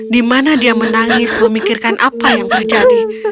di mana dia menangis memikirkan apa yang terjadi